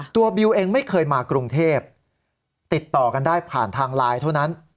บิวเองไม่เคยมากรุงเทพติดต่อกันได้ผ่านทางไลน์เท่านั้น